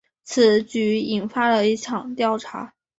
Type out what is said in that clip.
此举引发了一场调查。